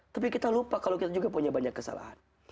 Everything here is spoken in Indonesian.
tapi kita lupa kalau kita juga punya banyak kesalahan